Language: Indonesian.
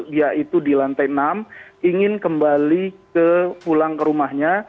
dia itu di lantai enam ingin kembali pulang ke rumahnya